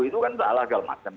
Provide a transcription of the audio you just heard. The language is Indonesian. itu kan salah segala macam